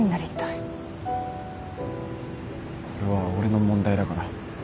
これは俺の問題だから